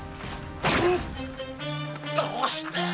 どうして？